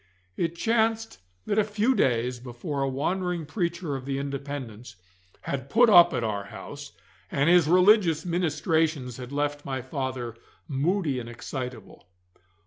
It chanced that a few days before a wandering preacher of the Independents had put up at our house, and his religious ministrations had left my father moody and excitable.